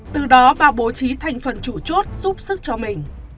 từ đó bà bố trí thành phần chủ chốt giúp sức cho mình